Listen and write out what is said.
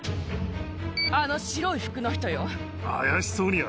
あの白い服の人よ。